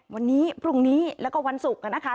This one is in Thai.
วันนี้พรุ่งนี้แล้วก็วันศุกร์นะคะ